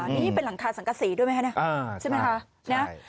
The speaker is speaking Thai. นี่เป็นหลังคาสังกษีด้วยไหมคะนะใช่ไหมคะ